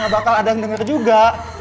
bakal ada yang denger juga